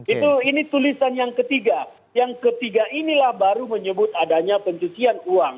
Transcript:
itu ini tulisan yang ketiga yang ketiga inilah baru menyebut adanya pencucian uang